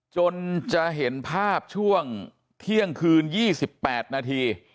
จนจะเห็นภาพช่วงเที่ยงคืน๒๘นาที